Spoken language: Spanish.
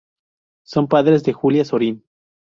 Son padres de Julián Sorín.